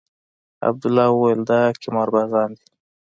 عبدالله وويل دا قمار بازان دي.